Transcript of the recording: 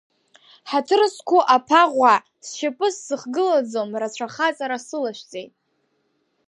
Ҳаҭыр зқәу Аԥаӷәаа, сшьапы сзыхгылаӡом, рацәа ахаҵара сылашәҵеит…